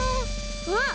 あっ！